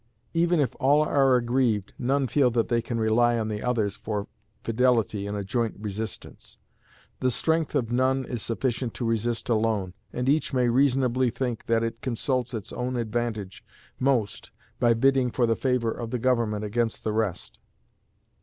Even if all are aggrieved, none feel that they can rely on the others for fidelity in a joint resistance; the strength of none is sufficient to resist alone, and each may reasonably think that it consults its own advantage most by bidding for the favor of the government against the rest.